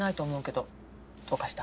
どうかした？